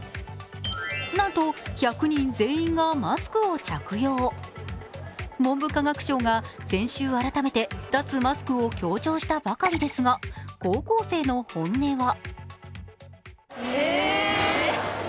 なんと１００人全員がマスクを着用文部科学省が先週、改めて脱マスクを強調したばかりですが、高校生の本音は。